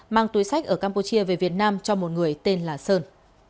mang túi sách ở campuchia về việt nam cho một người tên là sơn